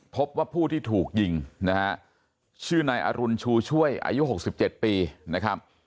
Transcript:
พบว่าผู้ที่ถูกยิงนะฮะชื่อในอรุณชูช่วยอายุหกสิบเจ็ดปีนะครับ